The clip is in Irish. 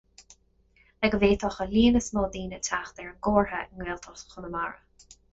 Le go bhféadfadh an líon is mó daoine teacht ar an gcomhartha i nGaeltacht Chonamara.